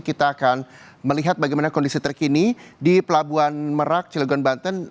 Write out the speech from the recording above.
kita akan melihat bagaimana kondisi terkini di pelabuhan merak cilegon banten